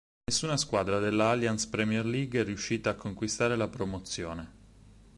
Nessuna squadra della Alliance Premier League è riuscita a conquistare la promozione.